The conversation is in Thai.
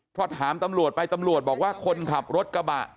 พอถามตำรวจไปตำรวจบอกว่าคนขับรถกระบะ